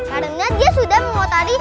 karena dia sudah mengotori